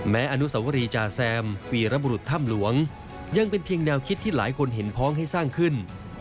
อนุสวรีจาแซมวีรบุรุษถ้ำหลวงยังเป็นเพียงแนวคิดที่หลายคนเห็นพ้องให้สร้างขึ้น